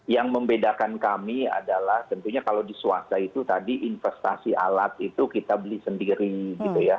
yang membedakan kami adalah tentunya kalau di swasta itu tadi investasi alat itu kita beli sendiri gitu ya